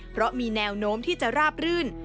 เพราะมีแนวโน้มที่จะราบรื่น